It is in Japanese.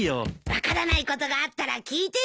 分からないことがあったら聞いてよ。